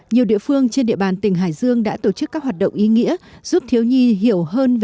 nhiều địa phương trên địa bàn tỉnh hải dương đã tổ chức các hoạt động ý nghĩa giúp thiếu nhi hiểu hơn